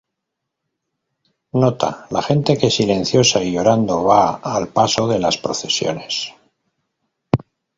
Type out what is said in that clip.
Nota la gente que silenciosa y llorando va al paso de las procesiones.